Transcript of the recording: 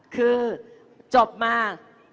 คือจบมาต้องแบกรักษาค่ะ